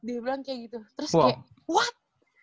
dia bilang kayak gitu terus kayak kuat